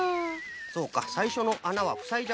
そうかさいしょのあなはふさいじゃうんじゃな。